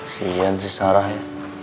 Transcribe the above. si ian sih sarahnya